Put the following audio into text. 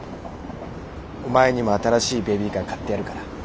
お前にも新しいベビーカー買ってやるから。